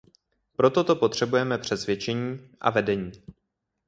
Pro toto potřebujeme přesvědčení a vedení.